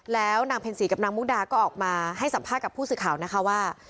แล้วนางเพ็ญศรีกับนางมุกดาก็ออกมาให้สัมภาษณ์กับผู้สื่อข่าวนะคะว่า